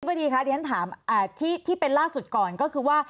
สวัสดีครับเรียกถามที่เป็นล่าสุดก่อนก็คือว่า